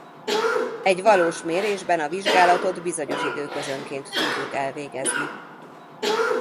Egy valós mérésben a vizsgálatot bizonyos időközönként tudjuk elvégezni.